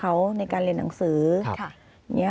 เพราะว่าเขาอยู่กับลูกทุกวันอยู่บ้านกลับบ้านทุกวันอะไรอย่างนี้ค่ะ